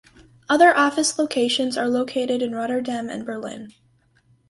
Other office locations are located in Rotterdam and Berlin.